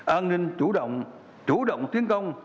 an ninh chủ động chủ động tiến công